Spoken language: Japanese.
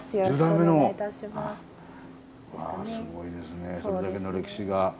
すごいですねそれだけの歴史が。